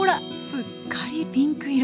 すっかりピンク色。